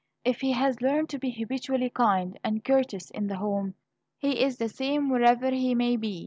If he has learned to be habitually kind and courteous in the home, he is the same wherever he may be.